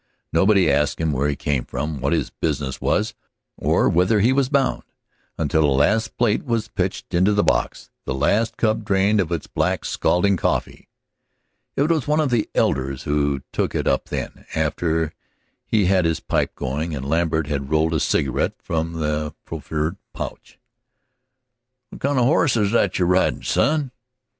Nobody asked him where he came from, what his business was, or whither he was bound, until the last plate was pitched into the box, the last cup drained of its black, scalding coffee. It was one of the elders who took it up then, after he had his pipe going and Lambert had rolled a cigarette from the proffered pouch. "What kind of a horse is that you're ridin', son?"